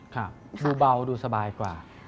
ครับดูเบาดูสบายกว่า